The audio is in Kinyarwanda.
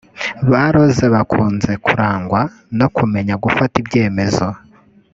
Ba Rose bakunze kurangwa no kumenya gufata ibyemezo